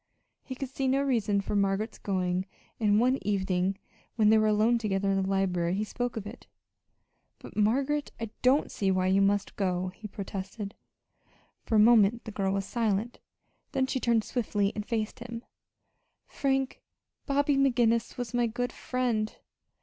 He could see no reason for Margaret's going, and one evening when they were alone together in the library he spoke of it. "But, Margaret, I don't see why you must go," he protested. For a moment the girl was silent; then she turned swiftly and faced him. "Frank, Bobby McGinnis was my good friend.